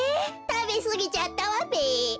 たべすぎちゃったわべ。